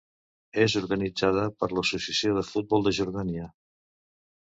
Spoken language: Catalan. És organitzada per l'Associació de Futbol de Jordània.